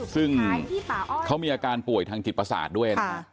ซึ่งเขามีอาการผ่วยทางทิศประอาจด้วย